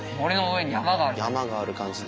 山がある感じで。